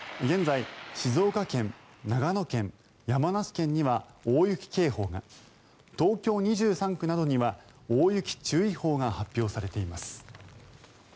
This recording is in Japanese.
現在、静岡県、長野県山梨県には大雪警報が東京２３区などには大雪注意報が発表されています。